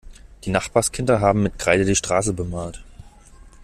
Die Nachbarskinder haben mit Kreide die Straße bemalt.